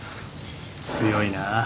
強いなあ。